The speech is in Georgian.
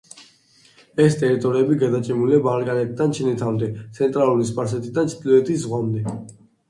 ეს ტერიტორიები გადაჭიმულია ბალკანეთიდან ჩინეთამდე, ცენტრალური სპარსეთიდან ჩრდილოეთის ზღვამდე.